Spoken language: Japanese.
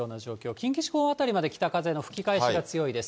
近畿地方辺りまで北風の吹き返しが強いです。